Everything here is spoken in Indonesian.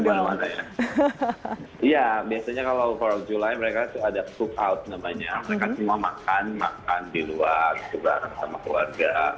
iya biasanya kalau empat th of july mereka ada cookout namanya mereka cuma makan makan di luar bersama keluarga